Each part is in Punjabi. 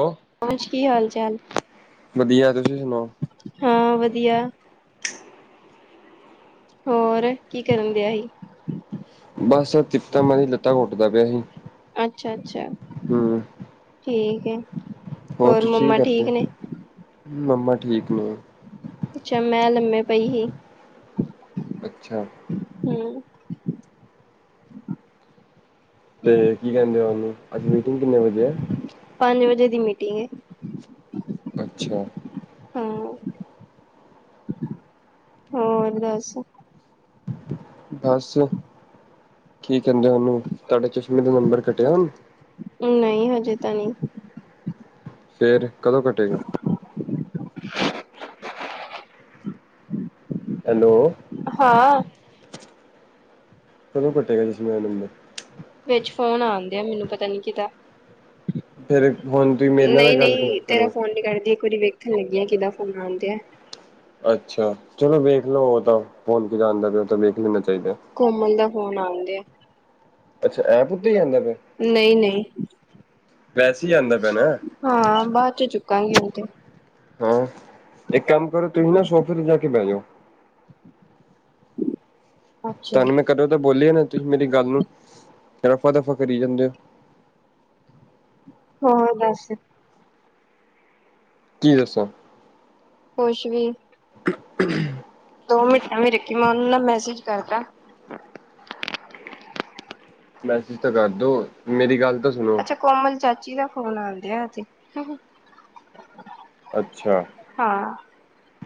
ਹੋ ਹਾਜੀ ਕੀ ਹਾਲ ਚਾਲ, ਵਦੀਆ ਵਧੀਆ ਤੁਸੀਂ ਸੁਣਾਓ ਹਾਂ ਵਧੀਆ। ਹੋਰ ਕੀ ਕਰਨ ਗਿਆ ਸੀ। ਬਸ ਤਿਪਤਾ ਮਾਂ ਦੀਆਂ ਲੱਤਾ ਕੁੁੱਟਦਾ ਪਿਆ ਸੀ, ਅੱਛਾ ਅੱਛਾ ਹੂੰ। ਠੀਕ ਐ, ਹੋਰ ਤੁਸੀਂ ਮੰਮਾ ਕੀ ਕਰਦੇ ਠੀਕ ਨੇ। ਮੰਮਾ ਠੀਕ ਨੇ। ਅੱਛਾ ਮੈਂ ਲੰਮੇ ਪਈ ਸੀ। ਅੱਛਾ ਹੂੰ ਤੇ ਕੀ ਕਹਿੰਦੇ ਮੰਮੀ, ਅੱਜ ਮੀਟਿੰਗ ਕਿੰਨੇ ਵਜੇ ਆ? ਪੰਜ ਵਜੇ ਦੀ ਮੀਟਿੰਗ ਏ। ਅੱਛਾ। ਹਾਂ। ਹੋਰ ਦੱਸ। ਬਸ ਕੀ ਕਹਿੰਦੇ ਉਹਨੂੰ ਤੁਹਾਡੇ ਚਸ਼ਮੇ ਦਾ ਨੰਬਰ ਘਟਿਆ ਹੁਣ? ਨਹੀਂ ਹਜੇ ਤਾਂ ਨੀ। ਫੇਰ ਕਦੋਂ ਘਟੇਗਾ। ਹੈਲੋ। ਹਾਂ। ਕਦੋਂ ਘਟੇਗਾ ਚਸ਼ਮੇ ਦਾ ਨੰਬਰ? ਵਿੱਚ ਫੋਨ ਆਣ ਦਿਆ ਮੈਨੂੰ ਪਤਾ ਨੀ ਕੀਦਾ। ਫੇਰ ਹੁਣ ਤੁਸੀਂ ਮੇਰੇ ਨਾਲ ਗੱਲ ਨਹੀਂ-ਨਹੀਂ ਕਰੋ ਤੇਰਾ ਫੋਨ ਨਹੀਂ ਕੱਟਦੀ। ਇੱਕ ਵਾਰੀ ਵੇਖਣ ਲੱਗੀ ਆ ਕਿਹਦਾ ਫੋਨ ਆਣ ਦਿਆ। ਅੱਛਾ, ਚਲੋ ਵੇਖ ਲੋ ਉਹ ਤਾਂ ਫੋਨ ਕਿਹਦਾ ਆਂਦਾ ਪਿਆ ਉਹ ਤਾਂ ਦੇੇਖ ਲੈਣਾ ਚਾਹੀਦਾ। ਕੋਮਲ ਦਾ ਫੋਨ ਆਨ ਦਿਆ। ਅੱਛਾ ਐਪ ਉਤੇ ਹੀ ਆਂਦਾ ਪਿਆ। ਨਹੀਂ-ਨਹੀਂ। ਵੈਸੇ ਈ ਆਂਦਾ ਪਿਆ ਨਾ। ਹਾਂ ਬਾਦ ਚੋ ਚੁੱਕਾਂਗੀ ਹੁਣ ਤੇ ਹਾਂ, ਏਕ ਕੰਮ ਕਰੋ ਤੁਸੀਂ ਨਾ ਸੋਫੇ ਤੇ ਜਾ ਕੇ ਬੈ ਜਾਓ। ਅੱਛਾ ਤਾਂਨੂੰ ਮੈਂ ਕਦੋਂ ਤਾਂ ਬੋਲਿਆ ਨਾ ਤੁਸੀਂ ਮੇਰੀ ਗੱਲ ਨੂੰ, ਰਫਾ-ਦਫ਼ਾ ਕਰੀ ਜਾਂਦੇ ਓ। ਹੋਰ ਬਸ ਕੀ ਦੱਸਾਂ? ਕੋਛ ਵੀ। [unintelligible] ਦੋ ਮਿੰਟਾਂ ਐਵੀ ਰੱਖੀ ਮੈਂ ਓਨੂੰ ਨਾਂ ਮੈਸੇਜ ਕਰਦਾ। ਮੈਸੇਜ ਤਾਂ ਕਰਦੋ, ਮੇਰੀ ਗੱਲ ਤਾਂ ਸੁਣੋ। ਅੱਛਾ ਕੋਮਲ ਚਾਚੀ ਦਾ ਫ਼ੋਨ ਅੰਦਿਆ ਏ ਜੇ ਅੱਛਾ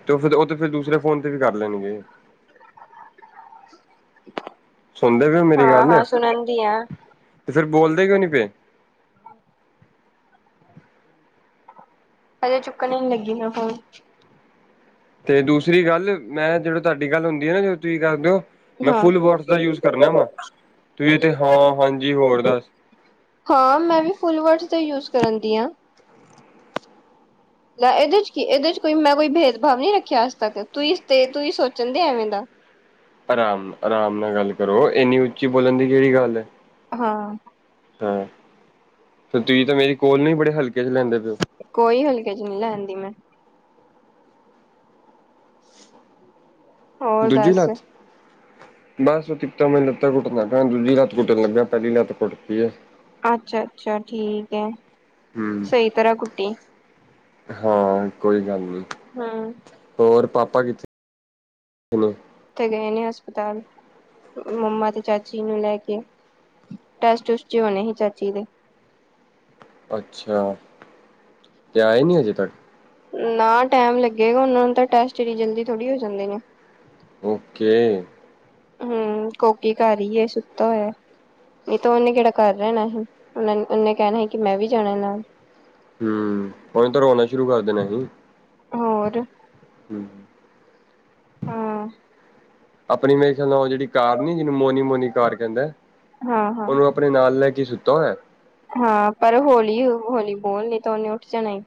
ਤੇ ਓ ਫਿਰ ਓ ਤੇ ਫਿਰ ਦੂਸਰੇ ਫੋਨ ਤੇ ਵੀ ਕਰ ਲੈਣਗੇ। ਸੁਣਦੇ ਪਏ ਹੋ ਮੇਰੀ ਗੱਲ ਹਾਂ-ਹਾਂ ਸੁਣਦੀ ਆ। ਤੇ ਫੇਰ ਬੋਲਦੇ ਕਿਉਂ ਨੀ ਪਏ? ਹਜੇ ਚੁੱਕਣ ਨੀ ਲੱਗੀ ਮੈਂ ਫੋਨ। ਤੇ ਦੂਸਰੀ ਗੱਲ ਮੈਂ ਜਦੋਂ ਤੁਆਡੀ ਗੱਲ ਹੁੰਦੀ ਐ ਨਾ ਜਦੋ ਤੁਸੀਂ ਕਰ ਦੇਓ ਮੈਂ ਹਾਂ ਫੁਲ ਵਰਡਜ਼ ਦਾ ਯੂਜ ਕਰਨਾ ਵਾ ਤੁਸੀ ਤੇ ਹਾਂ ਹਾਂਜੀ ਹੋਰ ਦੱਸ ਹਾਂ ਮੈਂ ਵੀ ਫੁਲ ਵਰਡਜ਼ ਦਾ ਯੂਜ ਕਰਨ ਦੀ ਆ। ਲੈ ਇਹਦੇ ਚ ਕੀ ਇਹਦੇ ਚ ਕੋਈ ਮੈਂ ਕੋਈ ਭੇਦਭਾਵ ਨਹੀਂ ਰੱਖਿਆ ਅੱਜ ਤੱਕ ਤੂੰ ਹੀ ਤੇ ਤੂੰ ਹੀ ਸੋਚਣ ਦੇ ਐਵੇਂ ਦਾ [unintelligible] ਆਰਾਮ-ਆਰਾਮ ਨਾਲ ਗੱਲ ਕਰੋ ਏਨੀ ਉੱਚੀ ਬੋਲਣ ਦੀ ਕੇੜੀ ਗੱਲ ਐ। ਹਾਂ। ਹਾਂ, ਤੇ ਤੁਸੀਂ ਤਾਂ ਮੇਰੀ ਕੋਲ ਨੂੰ ਬੜੇ ਹਲਕੇ ਚ ਲੈਂਦੇ ਪਿਓ। ਕੋਈ ਹਲਕੇ ਚ ਨੀ ਲੈਂਦੀ ਮੈਂ। ਹੋਰ ਦੂਜੀ ਦੱਸ ਲੱਤ ਬਸ ਇੱਕ ਤਾਂ ਮੈੈਂ ਲੱਤ ਕੁੱਟਦਾ ਪਿਆ ਦੂਜੀ ਲੱਤ ਕੁੱਟਣ ਲੱਗਿਆ ਪੈਲੀ ਲੱਤ ਕੁੱਟ ਤੀਏ। ਅੱਛਾ-ਅੱਛਾ ਠੀਕ ਐ। ਹੂੰ, ਹਾਂ ਕੋਈ ਗੱਲ ਨੀ। ਹੂੰ। ਹੋਰ ਪਾਪਾ ਕਿਥੇ? ਥੇ ਨੇ? ਓਥੇ ਗਏ ਨੇ ਹਸਪਤਾਲ। ਮੰਮਾ ਤੇ ਚਾਚੀ ਨੂੰ ਲੈ ਕੇ, ਟੈਸਟ-ਟੁਸਟ ਜੇ ਹੋਣੇ ਸੀ ਚਾਚੀ ਦੇ। ਅੱਛਾ, ਤੇ ਆਏ ਨੀ ਹਜੇ ਤੱਕ। ਨਾ ਟੈਮ ਲੱਗੇਗਾ ਓਨਾਂ ਨੂੰ ਤਾਂ ਟੈਸਟ ਏਡੀ ਜਲਦੀ ਥੋੜ੍ਹੀ ਹੋ ਜਾਂਦੇ ਨੇ। ਓਕੇ। ਹੂੰ ਕੋਕੀ ਕਾੱਰ ਈ ਏ ਸੁੱਤਾ ਹੋਯਾ। ਨਈ ਤਾਂ ਓਨੇ ਕੇੜਾ ਕਰ ਰੈਣਾ ਹੀ, ਓਨਾ ਓਨੇ ਕੈਨਾ ਸੀ ਕਿ ਮੈਂ ਵੀ ਜਾਣਾ ਨਾਲ। ਹੂੰ, ਓਨੇ ਤਾਂ ਰੋਣਾ ਸ਼ੁਰੂ ਕਰ ਦੇਣਾ ਹੀ। ਹੋਰ? ਹੂੰ। ਹਾਂ ਅਪਣੀ ਮੇਰੇ ਖਿਆਲ ਨਾਲ ਓ ਜੇੜੀ ਕਾਰ ਨੀ ਜਿਨੂੰ ਮੋਨੀ-ਮੋਨੀ ਕਾਰ ਕੈਂਦੈ ਹਾਂ ਹਾਂ ਉਨੂੰ ਆਪਣੇ ਨਾਲ ਲੈ ਕੇ ਸੁੱਤਾ ਹੋਇਆ। ਹਾਂ ਪੈਲੇ ਹੋਲੀ-ਹੋਲੀ ਬੋਲ ਨਈ ਤਾਂ ਉਨੇ ਉੱਠ ਜਾਣਾ ਈ।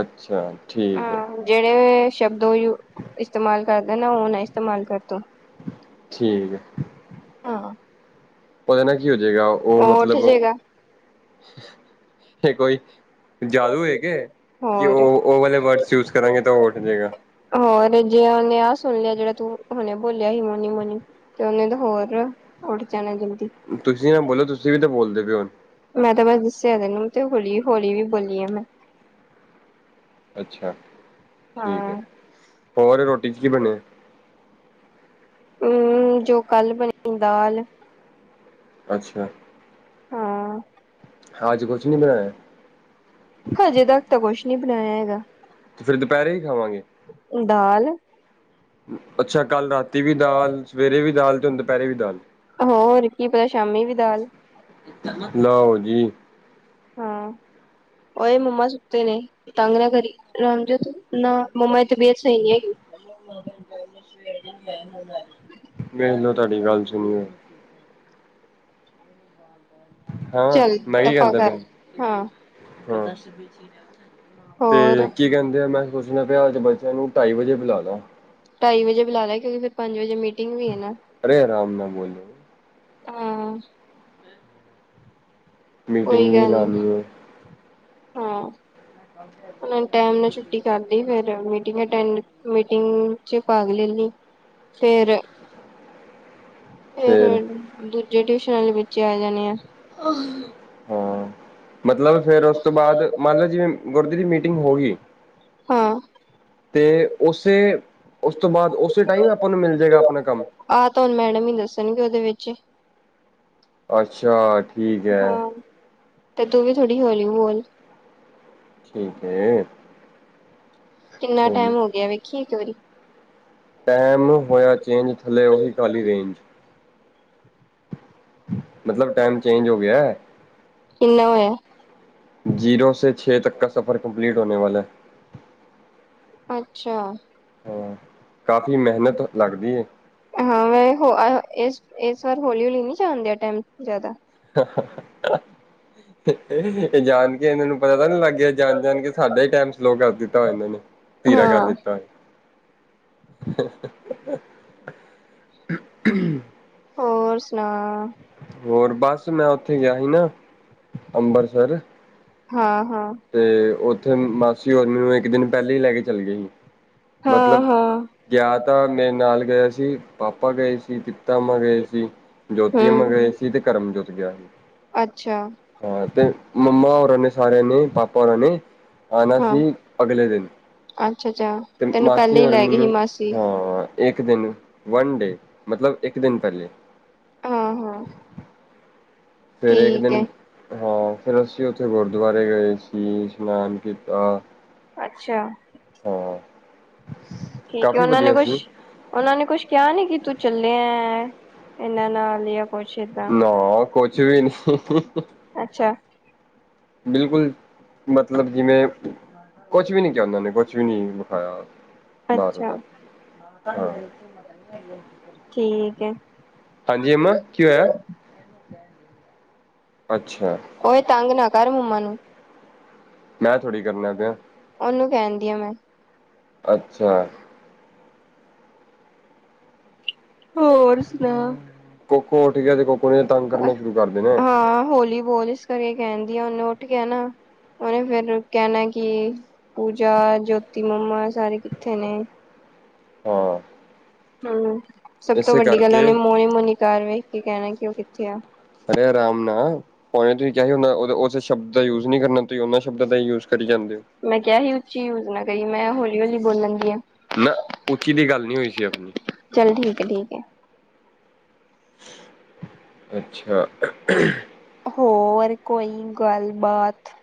ਅੱਛਾ ਠੀਕ ਐ। ਜੇੜ੍ਹੇ ਸ਼ਬਦ ਓ ਯੂ ਇਸਤੇਮਾਲ ਕਰਦਾ ਨਾ ਓ ਨਾ ਇਸਤੇਮਾਲ ਕਰ ਤੂੰ। ਠੀਕ ਐ। ਹਾਂ। ਓਦੇ ਨਾਲ ਕੀ ਹੋਜੇਗਾ ਓ ਉਹ ਉੱਠ ਮਤਲਬ, ਜੇਗਾ ਏ ਕੋਈ ਜਾਦੂ ਏ ਕੇ ਕੀ ਓ, ਹੋਰ ਓ ਵਾਲੇ ਵਰਡਜ ਯੂਜ ਕਰਾਂਗੇ ਤਾਂ ਓ ਉੱਠ ਜੇਗਾ। ਹੋਰ ਜੇ ਓਨੇ ਆਹ ਸੁਣ ਲਿਆ ਜੇੜਾ ਤੂੰ ਹੁਨੇ ਬੋਲਿਆ ਸੀ ਮੋਨੀ-ਮੋਨੀ ਤੇ ਓਨੇ ਤੇ ਹੋਰ ਉੱਠ ਜਾਣਾ ਜਲਦੀ। ਤੁਸੀਂ ਐਹ ਬੋਲੋ ਤੁਸੀਂ ਵੀ ਤਾਂ ਬੋਲਦੇ ਪਏ ਓ। ਮੈਂ ਤਾਂ ਬਸ ਦੱਸਿਆ ਤੈਨੂੰ ਤੇ ਹੌਲੀ, ਹੌਲੀ ਵੀ ਬੋਲੀ ਆ ਮੈਂ। ਅੱਛਾ ਠੀਕ ਐ, ਹਾਂ ਹੋਰ ਰੋਟੀ ਚ ਕੀ ਬਣਿਆ? ਹੂੰ, ਜੋ ਕੱਲ ਬਣੀ ਦਾਲ। ਅੱਛਾ। ਹਾਂ। ਅੱਜ ਕੁਛ ਨੀ ਬਣਾਇਆ? ਹਜੇ ਤੱਕ ਤਾਂ ਕੁਛ ਨੀ ਬਣਾਇਆ ਹੈਗਾ, ਤੇ ਫਿਰ ਦੁਪਹਿਰੇ ਹੀ ਖਾਵਾਂਗੇ ਦਾਲ ਅੱਛਾ ਕੱਲ ਰਾਤੀ ਵੀ ਦਾਲ, ਸਵੇਰੇ ਵੀ ਦਾਲ ਤੇ ਹੁਣ ਦੁਪੈਰੇ ਵੀ ਦਾਲ। ਹੋਰ, ਕੀ ਪਤਾ ਸ਼ਾਮੀ ਵੀ ਦਾਲ? ਲਓ ਜੀ। ਹਾਂ ਓਏ ਮੰਮਾ ਸੁੱਤੇ ਨੇ, ਤੰਗ ਨਾ ਕਰੀ, ਰਾਮਜੋਤ ਨਾ ਮੰਮਾ ਦੀ ਤਬੀਅਤ ਸਹੀ ਨੀ ਹੈਗੀ। [inaudible] [unintelligible] ਹੈਨੀ [unintelligible] ਮੈਨੂੰ ਤੁਹਾਡੀ ਗੱਲ ਸੁਣੀ ਐ। ਹਾਂ, ਚੱਲ ਮੈਂ ਵੀ ਦਫ਼ਾ ਜਾਂਦਾ ਪਿਆ, ਕਰ ਹਾਂ ਹਾਂ। ਹੋਰ ਤੇ ਕੀ ਕਹਿੰਦੇ ਆ ਮੈਂ ਪੁੱਛਣਾ ਪਿਆ‌ [unintelligible] ਬੱਚਿਆਂ ਨੂੰ ਢਾਈ ਵਜੇ ਬੁਲਾ ਲਾ। ਢਾਈ ਵਜੇ ਬੁਲਾ ਲਾ ਕਿਉਂਕਿ ਫੇਰ ਪੰਜ ਵਜੇ ਮੀਟਿੰਗ ਵੀ ਐ ਨਾ। ਅਰੇ ਅਰਾਮ ਨਾਲ ਬੋਲੋ। ਹਾਂ। ਕੋਈ ਮੀਟਿੰਗ ਵੀ ਗੱਲ ਨੀ, ਲਾਉਣੀ ਹੈ ਹਾਂ। ਹੁਨੇ ਟੈਮ ਨਾਲ ਛੁੱਟੀ ਕਰਲੀ ਫੇਰ ਮੀਟਿੰਗ ਅਟੈਡ ਮੀਟਿੰਗ ਚ ਭਾਗ ਲੈ ਲੀ ਫੇਰ ਫੇਰ ਫਿਰ ਦੂਜੇ ਟਿਊਸ਼ਨ ਆਲੇ ਬੱਚੇ ਆ ਜਾਣੇ ਆ। ਹਾਂ, ਮਤਲਬ ਫੇਰ ਓਸ ਤੋਂ ਬਾਦ ਮੰਨਲਾ ਜਿਵੇਂ ਗੁਰਦੀ ਦੀ ਮੀਟਿੰਗ ਹੋਗੀ। ਹਾਂ ਤੇ ਓਸੇ ਉਸ ਤੋਂ ਬਾਅਦ ਓਸੇ ਟਾਈਮ ਆਪਾਂ ਨੂੰ ਮਿਲ ਜੇਗਾ ਆਪਣਾ ਕੰਮ। ਆਹ ਤਾ ਹੁਣ ਮੈਡਮ ਈ ਦੱਸਣਗੇ ਓਦੇ ਵਿੱਚ। ਅੱਛਾ। ਠੀਕ ਹੈ ਹੂੰ, ਤੇ ਤੂੰ ਵੀ ਥੋੜੀ ਹੌਲੀ ਬੋਲ। ਠੀਕ ਏ। ਕਿੰਨਾ ਟਾਈਮ ਹੋ ਗਿਆ ਵੇਖੀ ਇੱਕ ਵਾਰੀ। ਟੈਮ ਹੋਇਆ ਚੇਂਜ ਥੱਲੇ ਓਹੀ ਕਾਲੀ ਰੇਂਜ। ਮਤਲਬ ਟੈਮ ਚੇਂਜ ਹੋ ਗਿਆ। ਕਿੰਨਾ ਹੋਇਆ? ਜ਼ੀਰੋ ਸੇ ਛੇ ਤੱਕਰ ਸਫ਼ਰ ਕੰਪਲੀਟ ਹੋਣੇ ਵਾਲਾ। ਅੱਛਾ। ਹਾਂ, ਕਾਫੀ ਮਿਹਨਤ ਲੱਗਦੀ ਏ। ਹਾਂ, ਹੋ ਅਹ ਏਸ, ਏਸ ਵਾਰ ਹੌਲੀ-ਹੌਲੀ ਨੀ ਜਾਣ ਦੇਆ ਟੈਮ ਜਾਦਾ। ਜਾਣ ਕੇ ਇਹਨਾਂ ਨੂੰ ਪਤਾ ਤਾਂ ਨਹੀਂ ਲੱਗ ਗਿਆ ਜਾਣ ਜਾਣ ਕੇ ਸਾਡਾ ਹੀ ਟਾਈਮ ਸਲੋ ਕਰ ਦਿੱਤਾ ਵਾ ਇਹਨਾਂ ਨੇ ਧੀਰਾ ਕਰ ਹਾਂ ਦਿੱਤਾ ਹੋਏ ਹੋਰ ਸੁਣਾ ਹੋਰ ਬਸ ਮੈਂ ਉੱਥੇ ਗਿਆ ਸੀ ਨਾ ਅੰਬਰਸਰ ਹਾਂ ਹਾਂ ਤੇ ਉੱਥੇ ਮਾਸੀ ਔਰ ਮੈਨੂੰ ਇੱਕ ਦਿਨ ਪਹਿਲੇ ਹੀ ਲੈ ਕੇ ਚਲੇ ਗਏ ਸੀ ਹਾਂ ਮਤਲਬ ਹਾਂ ਗਿਆ ਤਾਂ ਮੇਰੇ ਨਾਲ ਗਏ ਹੋਏ ਸੀ ਪਾਪਾ ਗਏ ਸੀ ਤਾ ਅੰਮਾਂ ਗਏ ਸੀ ਜੋਤੀ ਅੰਮਾ ਹੂੰ ਗਏ ਸੀ ਤੇ ਕਰਮਜੋਤ ਗਿਆ ਸੀ ਅੱਛਾ ਹਾਂ ਤੇ ਮੰਮਾ ਹੋਰਾਂ ਨੇ ਸਾਰਿਆਂ ਨੇ ਪਾਪਾ ਔਰਾਂ ਨੇਂ ਆਨਾ ਹਾਂ ਸੀ, ਅਗਲੇ ਦਿਨ। ਅੱਛਾ ਅੱਛਾ ਤੇ ਤੈਨੂੰ ਮਾਸੀ ਪਹਿਲੇ ਹੀ ਹੋਰ ਲੈ ਗਈ ਸੀ ਮੈਨੂੰ, ਮਾਸੀ ਹਾਂ ਇੱਕ ਦਿਨ, ਵਨ ਡੇ ਮਤਲਬ ਇੱਕ ਦਿਨ ਪੈਲੇ। ਆਹਾਂ। ਫੇਰ ਇਕ ਦਿਨ ਹਾਂ, ਫਿਰ ਅਸੀਂ ਉੱਥੇ ਗੁਰਦੁਆਰੇ ਗਏ ਸੀ, ਸ਼ਸ਼ਨਾਨ ਕੀਤਾ। ਅੱਛਾ ਹਾਂ ਠੀਕ ਹੈ, ਕਾਫ਼ੀ ਉਹਨਾਂ ਨੇ ਵਧੀਆ ਕੁਸ਼ ਸੀ ਉਹਨਾਂ ਨੇ ਕੁਛ ਕਿਆ ਨੀ ਕਿ ਤੂੰ ਚੱਲੇਆਂ ਇਹਨਾਂ ਨਾਲ। ਕੁਛ ਏਦਾਂ ਨਾ, ਕੁਛ ਵੀ ਨੀ। ਅੱਛਾ ਬਿਲਕੁਲ, ਮਤਲਬ ਜਿਵੇਂ ਕੁਛ ਵੀ ਨੀ ਚਾਹੁੰਦੇ ਨੇ ਕੁਛ ਕੁਝ ਵੀ ਨਹੀਂ ਵਿਖਾਇਆ ਅੱਛਾ [unintelligible] ਹਾਂ ਠੀਕ ਏ। ਹਾਂਜੀ, ਅੱਮਾ ਕਿ ਹੋਇਆ? ਅੱਛਾ। ਓਏ ਤੰਗ ਨਾ ਕਰ ਮੰਮਾ ਨੂੰ। ਮੈਂ ਥੋੜੀ ਕਰਨਾ ਪਿਆ ਉਹਨੂੰ ਕਹਿੰਦੀ ਆ ਮੈਂ। ਅੱਛਾ ਹੋਰ ਸੁਨਾਉਂ। ਕੋਕੋ ਉੱਠ ਗਿਆ ਤੇ ਕੋਕੋ ਨੇ ਤੰਗੇ ਕਰਨੇ ਸ਼ੁਰੂ ਕਰ ਦੇਨੇ ਹਾਂ, ਹੋਲੀ ਬੋਲ। ਤਦੇ ਕੈਦੀ ਆ ਉਹਨੂੰ ਉੱਠ ਗਿਆ ਨਾ ਉਹਨੇ ਫੇਰ ਕਹਿਣਾ ਕਿ ਪੂਜਾ, ਜੋਤੀ ਮੰਮਾ ਸਾਰੇ ਕਿੱਥੇ ਨੇ। ਹਾਂ ਹਮ, ਸਭ ਤੋਂ ਇਸੇ ਵੱਡੀ ਗੱਲ ਕਰਕੇ ਉਹਨੇ ਮੋਨੀ ਮੋਨੀਕਾਰ ਵੇਖ ਕੇ ਕਹਿਣਾ ਕਿ ਉਹ ਕਿੱਥੇ ਆ। ਅਰੇ ਅਰਾਮ ਨਾ। ਹੂਣੇ ਤੁਸੀਂ ਕਿਹਾ ਹੁੰਦਾ ਉਸ ਸ਼ਬਦ ਦਾ ਯੂਜ ਨਹੀਂ ਕਰਨਾ, ਤੁਸੀਂ ਉਹਨਾਂ ਸ਼ਬਦਾਂ ਦਾ ਹੀ ਯੂਜ ਕਰੀ ਜਾਂਦੇਔ। ਮੈਂ ਕਿਹਾ ਸੀ, ਉੱਚੀ ਨਾ ਕਰੀਂ, ਮੈਂ ਹੌਲੀ-ਹੌਲੀ ਬੋਲ ਦੀਆ। ਨਾ, ਉੱਚੀ ਦੀ ਗੱਲ ਨਹੀਂ ਹੋਈ ਸੀ ਆਪਣੀ। ਚੱਲ, ਠੀਕ ਐ ਠੀਕ ਐ ਅੱਛਾ, ਹੋਰ ਕੋਈ ਗੱਲ ਬਾਤ।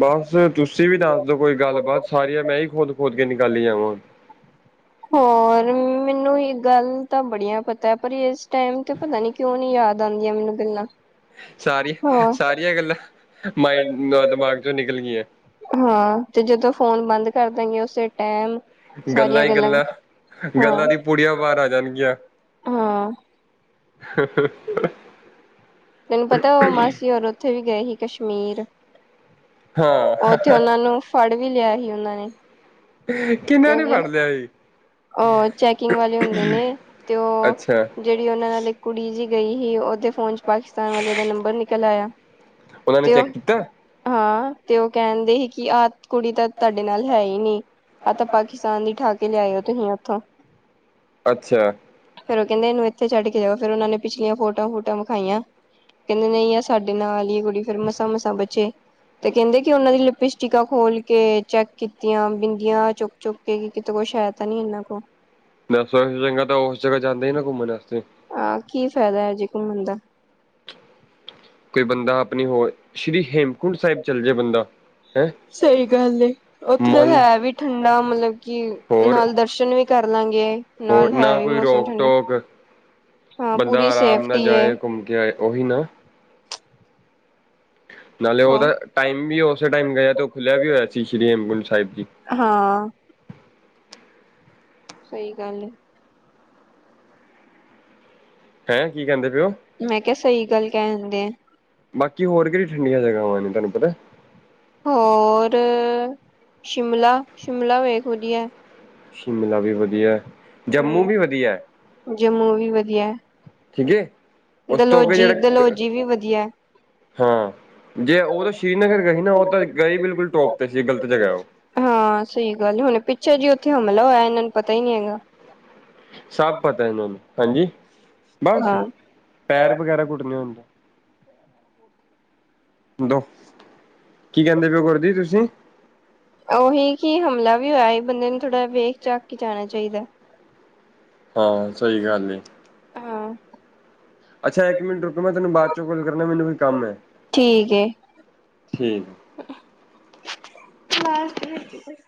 ਬਸ ਤੁਸੀਂ ਵੀ ਦੱਸ ਦੋ ਕੋਈ ਗੱਲਬਾਤ, ਸਾਰੀਆਂ ਮੈਂ ਈ ਖੋਦ-ਖੋਦ ਕੇ ਨਿਕਾਲੀ ਜਾਵਾਂ ਹੁਣ। ਹੋਰ? ਪਰ, ਮੈਨੂੰ ਇਹ ਗੱਲ ਤਾਂ ਬੜੀਆਂ ਪਤਾ ਐ ਪਰ ਇਸ ਟਾਈਮ ਤੇ ਪਤਾ ਨੀ ਕਿਉਂ ਨੀ ਯਾਦ ਆਦੀਆਂ ਮੈਨੂੰ ਗੱਲਾਂ। ਸਾਰੀ, ਹਾਂ ਸਾਰੀਆਂ ਗੱਲਾਂ ਮਾਇੰਡ ਦਿਮਾਗ ਚੋਂ ਨਿਕਲ ਗੀਆਂ। ਹਾਂ, ਤੇ ਜਦੋਂ ਫੋਨ ਬੰਦ ਕਰ ਦਾਗੇ ਉਸੇ ਟਾਈਮ ਗੱਲਾਂ ਈ ਗਲਾਂ, ਹਾਂ ਗੱਲਾਂ ਦੀ ਪੁੜੀਆਂ ਬਾਰ ਆ ਜਾਣਗੀਆਂ। ਹਾਂ [inaudible] ਤੈਨੂੰ ਪਤਾ ਉਹ ਮਾਸੀ ਹੋਰ ਉੱਥੇ ਵੀ ਗਏ ਸੀ, ਕਸ਼ਮੀਰ। ਹਾਂ ਉੱਥੇ ਉਹਨਾਂ ਨੂੰ ਫੜ ਵੀ ਲਿਆ ਹੀ ਉਹਨਾਂ ਨੇ। ਕਿੰਨਾਂ ਨੇ ਕਿਉਂਕਿ ਫੜ ਲਿਆ ਸੀ? ਉਹ ਚੈਕਿੰਗ ਵਾਲੇ ਹੁੰਦੇ ਨੇ, ਤੇ ਅੱਛਾ ਉਹ ਜਿਹੜੀ ਉਹਨਾਂ ਨਾਲ ਇੱਕ ਕੁੜੀ ਜੀ ਗਈ ਸੀ, ਉਹਦੇ ਫੋਨ ਚੋਂ ਪਾਕਿਸਤਾਨ ਵਾਲੇ ਦਾ ਨੰਬਰ ਨਿਕਲ ਆਇਆ। ਉਹਨਾਂ ਨੇ ਤੇ ਉਹ ਚੈੱਕ ਕੀਤਾ ਹਾਂ, ਤੇ ਉਹ ਕਹਿੰਦੇ ਸੀ ਕਿ ਆ ਕੁੜੀ ਤਾਂ ਤੁਹਾਡੇ ਨਾਲ ਹੈ ਈ ਨੀ ਆ ਤਾਂ ਪਾਕਿਸਤਾਨ ਦੀ ਠਾ ਕੇ ਲਿਆਏ ਔ ਥੋਂ ਅੱਛਾ, ਫੇਰ ਕਹਿੰਦੇ ਇਥੇੱ ਛੱਡ ਕੇ ਜਾੳ ਫਿਰ ਨਾ ਉਨਾ ਨੇ ਪਿਛਲੀਆਂ ਫੋਟੋ ਫੁਟਾਂ ਆ ਵਿਖਾਈਆਂ। ਕਹਿੰਦੇ ਨੀ ਐ ਸਾਡੇ ਨਾਲ ਈ ਕੁੜੀ ਫੇਰ ਮਸਾਂ ਮਸਾਂ ਬਚੇ ਤੇ ਕਹਿੰਦੇ ਕਿ ਉਹਨਾਂ ਦੀ ਲਿਪਸਟਿਕਾਂ ਖੋਲ ਕੇ ਚੈੱਕ ਕੀਤੀਆਂ ਬਿੰਦੀਆਂ ਚੁੱਕ ਚੁੱਕ ਕੇ ਕਿਤੇ ਕੁ ਸ਼ਾਇਦ ਤਈ [unintelligible] ਇਸ ਤੋ ਚੰਗਾ ਤਾਂ ਉਸ ਜਗ੍ਹਾ ਜਾਂਦਾ ਈ ਨਾ ਘੁੰਮਣ ਵਾਸਤੇ ਆਾਂ ਕੀ ਫ਼ਾਇਦਾ ਹਜੇ ਘੁੰਮਣ ਦਾ, ਕੋਈ ਬੰਦਾ ਆਪਣੀ ਹੋਰ ਸ਼੍ਰੀ ਹੇਮਕੁੰਟ ਸਾਹਿਬ ਚੱਲ ਜੇ ਬੰਦਾ। ਹੈਂ ਸਹੀ ਗੱਲ ਐ ਉੱਥੇ ਤਾਂ ਮਨ ਹੈ ਵੀ ਠੰਡਾ ਮਤਲਬ ਕਿ ਹੋਰ ਨਾਲ ਦਰਸ਼ਨ ਵੀ ਕਰ ਲਾਂਗੇ ਹੋਰ ਨਾਲ ਹੈ ਨਾ ਵੀ ਕੋਈ ਮੌਸਮ ਰੋਕ ਠੰਡਾ ਟੋਕ ਹਾਂ ਬੰਦਾ ਪੂਰੀ ਆਰਾਮ ਨਾਲ ਸੇਫਟੀ ਐ। ਜਾਏ ਘੁੰਮ ਕੇ ਆਏ ਉਹੀ ਨਾ ਨਾਲੇ ਹੋ ਉਹਦਾ ਟਾਈਮ ਵੀ ਉਸੇ ਟਾਈਮ ਗਿਆ ਤੇ ਉਹ ਖੁੱਲਿਆ ਵੀ ਹੋਇਆ ਸੀ ਸ਼੍ਰੀ ਹੇਮਕੰਦ ਸਾਹਿਬ ਜੀ। ਹਾਂ, ਸਹੀ ਗੱਲ ਐ। ਹੈਂ ਕੀ ਕਹਿੰਦੇ ਪਏ ਓ? ਮੈਂ ਕਿਹਾ ਸਹੀ ਗੱਲ ਕਹਿ ਦਿੰਦੇ ਆ। ਬਾਕੀ ਹੋਰ ਕਿਹੜੀ ਠੰਡੀਆਂ ਜਗ੍ਹਾਵਾਂ ਨੇ ਤੁਹਾਨੂੰ ਪਤਾ? ਹੋਰ ਸ਼ਿਮਲਾ ਸ਼ਿਮਲਾ ਵੇਖ ਵਧੀਆ, ਸ਼ਿਮਲਾ ਵੀ ਵਧੀਆ, ਜੰਮੂ ਵੀ ਵਧੀਆ ਹੂੰ ਜੰਮੂ ਵੀ ਵਧੀਆ, ਠੀਕ ਐ ਉਸ ਤੋਂ ਅੱਗੇ ਦਲੋਜੀ ਜਿਹੜੇ ਦਲੋਜੀ ਵੀ ਵਧੀਆ ਹੈ ਹਾਂ ਜੇ ਉਹ ਤਾਂ ਸ੍ਰੀਨਗਰ ਗਈ ਨਾ ਉਹ ਤਾਂ ਗਈ ਬਿਲਕੁਲ ਟੋਪ ਤੇ ਸੀ ਗਲਤ ਜਗਾ ਉਹ ਹਾਂ ਸਹੀ ਗੱਲ ਹੁਣ ਪਿੱਛੇ ਜੀ ਉੱਥੇ ਹਮਲਾ ਹੋਇਆ ਇਹਨਾਂ ਨੂੰ ਪਤਾ ਹੀ ਨੀ ਹੈਗਾ। ਸਭ ਪਤਾ ਇਹਨਾਂ ਨੂੰ ਹਾਂਜੀ, ਬਸ ਹਾਂ ਪੈਰ ਵਗੈਰਾ ਕੁੱਟਣੇ ਹੁੰਦਾ। ਦੋ ਕੀ ਕਹਿੰਦੇ ਪਓ ਗੁਰ ਤੁਸੀਂ? ਉਹੀ ਕਿ ਹਮਲਾ ਵੀ ਹੋਇਆ ਸੀ ਬੰਦੇ ਨੂੰ ਥੋੜ੍ਹਾ ਵੇਖ ਚਖ ਕੇ ਜਾਣਾ ਚਾਹੀਦਾ। ਹਾਂ, ਸ‌ਈ ਗੱਲ ਏ। ਹਾਂ ਅੱਛਾ। ਇੱਕ ਮਿੰਟ ਰੁਕੋ ਮੈਂ ਤੈਨੂੰ ਬਾਅਦ ਚੋਂ ਫੋਨ ਕਰਨਾ, ਮੈਨੂੰ ਕੋਈ ਕੰਮ ਹੈ। ਠੀਕ ਬਸ [unintelligible]